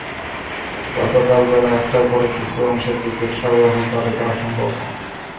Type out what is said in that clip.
গতকাল বেলা একটার পরে কিছু অংশে বিদ্যুৎ সরবরাহ চালু করা সম্ভব হয়।